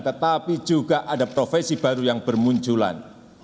tetapi juga ada profesi baru yang bermunculan